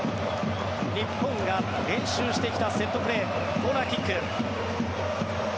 日本が練習してきたセットプレーコーナーキック。